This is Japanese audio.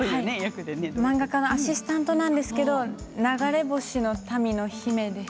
漫画家のアシスタントなんですけれど流れ星の民の姫です。